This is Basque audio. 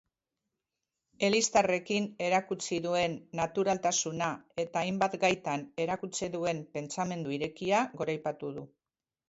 Eliztarrekin erakutsi duen naturaltasuna eta hainbat gaitan erakutsi duen pentsamendu irekia goraipatu du.